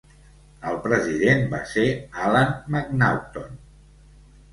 El president va ser Alan Macnaughton.